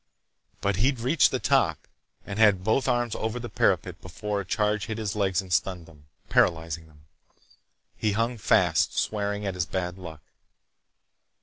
But he'd reached the top and had both arms over the parapet before a charge hit his legs and stunned them—paralyzed them. He hung fast, swearing at his bad luck.